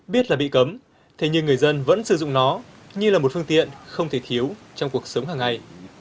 biết là bị cấm thế nhưng người dân vẫn sử dụng nó như là một phương tiện không thể thiếu trong cuộc sống hàng ngày